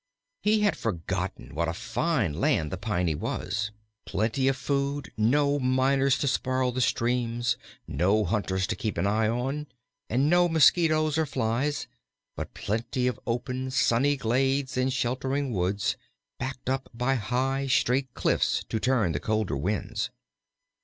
He had forgotten what a fine land the Piney was: plenty of food, no miners to spoil the streams, no hunters to keep an eye on, and no mosquitoes or flies, but plenty of open, sunny glades and sheltering woods, backed up by high, straight cliffs to turn the colder winds.